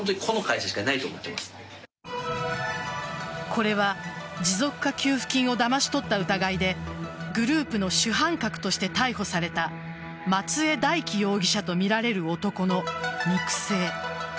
これは持続化給付金をだまし取った疑いでグループの主犯格として逮捕された松江大樹容疑者とみられる男の肉声。